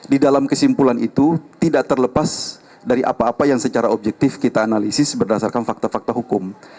di dalam kesimpulan itu tidak terlepas dari apa apa yang secara objektif kita analisis berdasarkan fakta fakta hukum